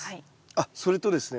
あっそれとですね